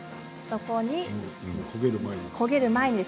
そこに。